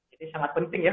jadi sangat penting ya